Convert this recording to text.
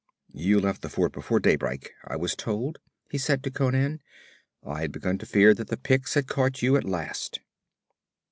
'You left the fort before daybreak, I was told,' he said to Conan. 'I had begun to fear that the Picts had caught you at last.'